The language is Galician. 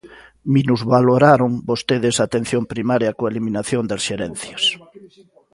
Minusvaloraron vostedes a atención primaria coa eliminación das xerencias.